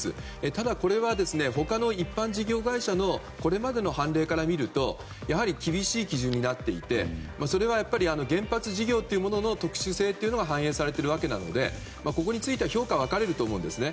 ただ、これはほかの一般事業会社のこれまでの判例から見ると厳しい基準になっていてそれはやっぱり原発事業というものの特殊性が反映されているわけなのでここについては評価が分かれると思うんですね。